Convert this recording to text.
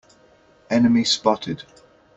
Enemy spotted!